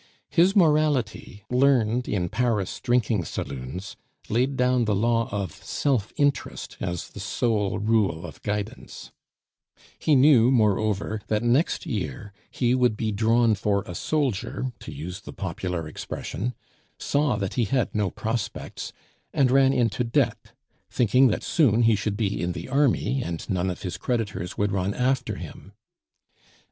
His morality, learned in Paris drinking saloons, laid down the law of self interest as the sole rule of guidance; he knew, moreover, that next year he would be "drawn for a soldier," to use the popular expression, saw that he had no prospects, and ran into debt, thinking that soon he should be in the army, and none of his creditors would run after him.